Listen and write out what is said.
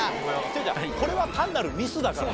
これは単なるミスだから。